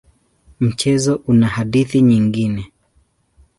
Mchezo una hadithi nyingine.